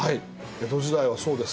江戸時代はそうです。